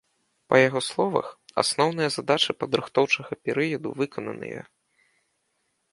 Па яго словах, асноўныя задачы падрыхтоўчага перыяду выкананыя.